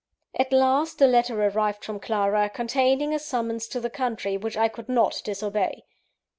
At last, a letter arrived from Clara, containing a summons to the country, which I could not disobey.